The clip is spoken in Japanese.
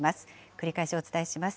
繰り返しお伝えします。